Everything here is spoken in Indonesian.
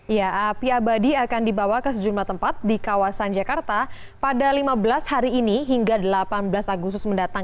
ya api abadi akan dibawa ke sejumlah tempat di kawasan jakarta pada lima belas hari ini hingga delapan belas agustus mendatang